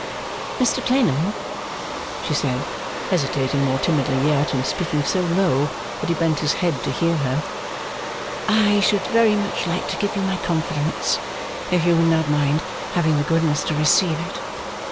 'Mr Clennam,' she said, hesitating more timidly yet, and speaking so low that he bent his head to hear her. 'I should very much like to give you my confidence, if you would not mind having the goodness to receive it.